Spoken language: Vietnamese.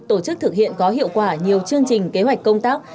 tổ chức thực hiện có hiệu quả nhiều chương trình kế hoạch công tác